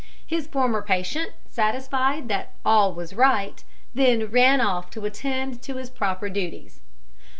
His former patient, satisfied that all was right, then ran off to attend to his proper duties.